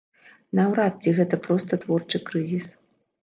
Наўрад ці гэта проста творчы крызіс.